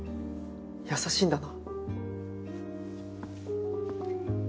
優しいんだな。